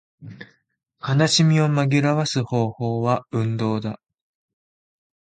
悲しみを紛らわす方法は運動だ